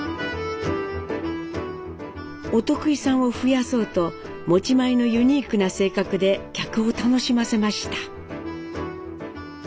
お得意さんを増やそうと持ち前のユニークな性格で客を楽しませました。